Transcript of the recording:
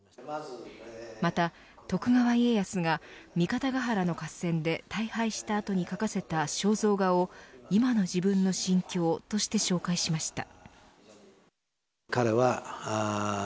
また、徳川家康が三方ヶ原の合戦で大敗した後に描かせた肖像画を今の心境として紹介しました。